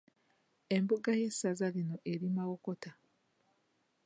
Embuga y'essaza lino eri Mawokota.